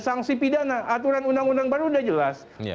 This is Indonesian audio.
sanksi pidana aturan undang undang baru sudah jelas